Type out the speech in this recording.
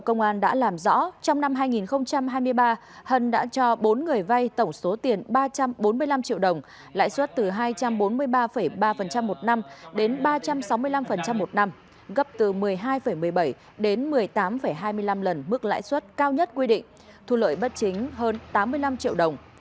công an đã làm rõ trong năm hai nghìn hai mươi ba hân đã cho bốn người vai tổng số tiền ba trăm bốn mươi năm triệu đồng lãi suất từ hai trăm bốn mươi ba ba một năm đến ba trăm sáu mươi năm một năm gấp từ một mươi hai một mươi bảy đến một mươi tám hai mươi năm lần mức lãi suất cao nhất quy định thu lợi bất chính hơn tám mươi năm triệu đồng